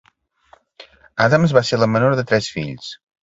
Adams va ser la menor de tres fills.